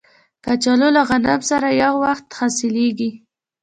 کچالو له غنم سره یو وخت حاصلیږي